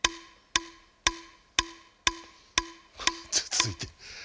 続いて。